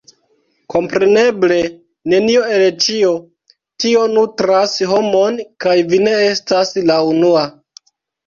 Kompreneble! Nenio el ĉio tio nutras homon, kaj vi ne estas la unua.